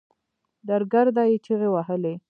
درګرده يې چيغې وهلې.